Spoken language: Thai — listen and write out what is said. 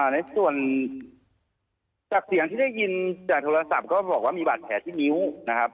ในส่วนจากเสียงที่ได้ยินจากโทรศัพท์ก็บอกว่ามีบาดแผลที่นิ้วนะครับ